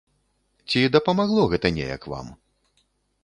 Ці дапамагло гэта неяк вам?